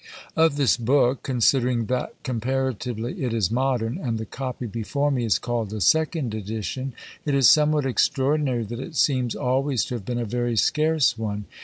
Of this book, considering that comparatively it is modern, and the copy before me is called a second edition, it is somewhat extraordinary that it seems always to have been a very scarce one.